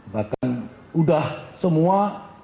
bahkan sudah semua